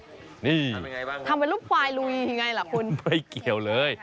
นี่ทำเป็นรูปควายลุยยังไงล่ะคุณไม่เกี่ยวเลย